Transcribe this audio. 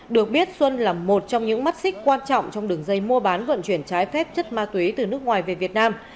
được biết xuân là một trong những mắt xích quan trọng trong đường dây mua bán vận chuyển trái phép chất ma túy từ nước ngoài về việt nam